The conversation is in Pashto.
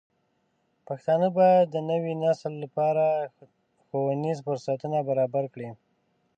پښتانه بايد د نوي نسل لپاره ښوونیز فرصتونه برابر کړي.